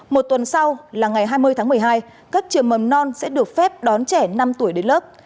một tuần sau là ngày hai mươi tháng một mươi hai các trường mầm non sẽ được phép đón trẻ năm tuổi đến lớp